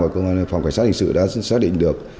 và cơ quan cảnh sát hình sự đã xác định được